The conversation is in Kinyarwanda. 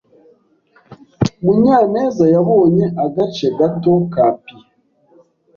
Munyaneza yabonye agace gato ka pie.